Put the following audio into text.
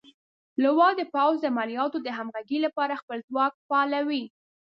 لوا د پوځ د عملیاتو د همغږۍ لپاره خپل ځواک فعالوي.